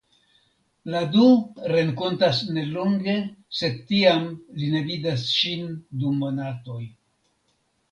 La du renkontas nelonge sed tiam li ne vidas ŝin dum monatoj.